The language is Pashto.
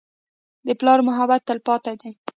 د پلار محبت تلپاتې دی.